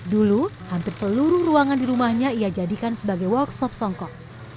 dulu hampir seluruh ruangan di rumahnya ia jadikan sebagai workshop songkok